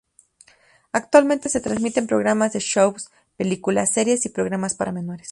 Actualmente se transmiten programas de shows, películas, series y programas para menores.